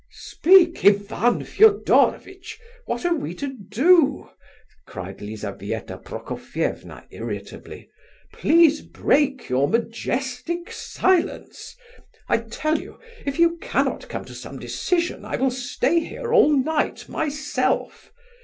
"Speak, Ivan Fedorovitch! What are we to do?" cried Lizabetha Prokofievna, irritably. "Please break your majestic silence! I tell you, if you cannot come to some decision, I will stay here all night myself.